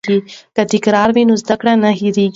که تکرار وي نو زده کړه نه هیریږي.